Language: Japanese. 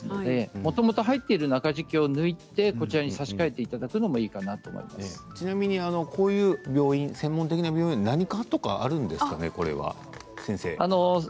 もともと入っている中敷きを抜いてこちらに差し替えていただくのも専門的な病院何科とかあるんですか？